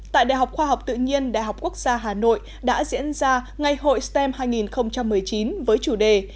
tại đại học khoa học tự nhiên đại học quốc gia hà nội đã diễn ra ngày hội stem hai nghìn một mươi chín với chủ đề